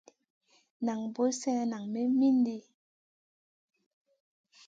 Nan na buur sènè nang may mindi.